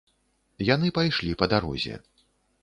Яны пайшлі па дарозе.